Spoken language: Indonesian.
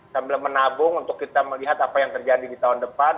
sambil menabung untuk kita melihat apa yang terjadi di tahun depan